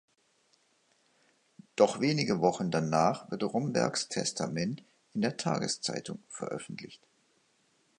Doch wenige Wochen danach wird Rombergs Testament in der Tageszeitung veröffentlicht.